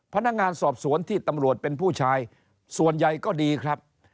พนักงานสอบสวนที่ตำรวจเป็นผู้ชายส่วนใหญ่ก็ดีครับ